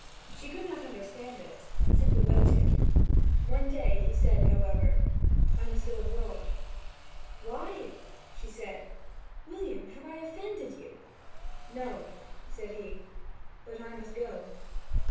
She could not understand it, and simply waited. One day he said, however, 'I must go abroad.' 'Why?' said she. 'William, have I offended you?' 'No,' said he; 'but I must go.'